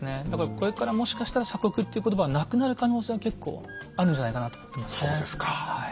だからこれからもしかしたら「鎖国」っていう言葉はなくなる可能性は結構あるんじゃないかなと思ってますね。